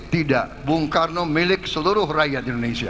tidak bung karno milik seluruh rakyat indonesia